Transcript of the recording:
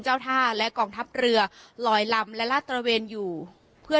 เจ้าท่าและกองทัพเรือลอยลำและลาดตระเวนอยู่เพื่อ